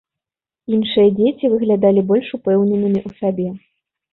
Іншыя дзеці выглядалі больш упэўненымі ў сабе.